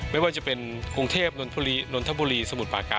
ไม่ว่าจะเป็นกรุงเทพนทบุรีสมุดปราการ